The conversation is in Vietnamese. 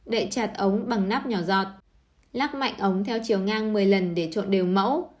đệ chặt ống bằng nắp nhỏ giọt lắc mạnh ống theo chiều ngang một mươi lần để trộn đều mẫu